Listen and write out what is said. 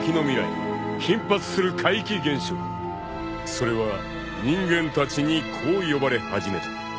［それは人間たちにこう呼ばれ始めた］